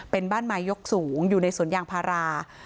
เป็นบ้านไม้ยกสูงอยู่ในสวนยางพารา